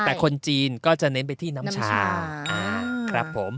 แต่คนจีนก็จะเน้นไปที่น้ำชา